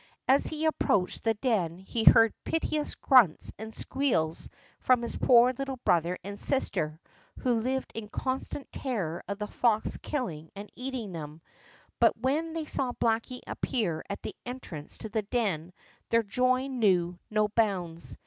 As he approached the den he heard piteous grunts and squeals from his poor little brother and sister, who lived in constant terror of the fox killing and eating them, but when they saw Blacky appear at the entrance to the den their joy knew no bounds.